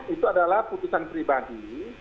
itu adalah putusan pribadi